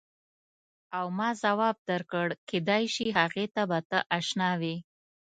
او ما ځواب درکړ کېدای شي هغې ته به ته اشنا وې.